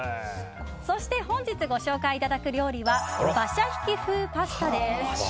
そして本日ご紹介いただく料理は馬車引き風パスタです。